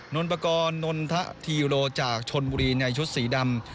นนทะทีโลจากชนบุรีในชุดสีดำ